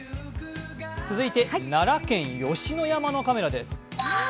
続いては奈良県吉野山のカメラです。